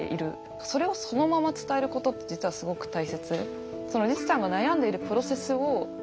それをそのまま伝えることって実はすごく大切。